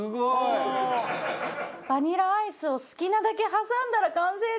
バニラアイスを好きなだけ挟んだら完成です。